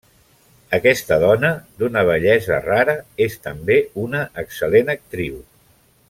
Aquesta dona d'una bellesa rara és també una excel·lent actriu.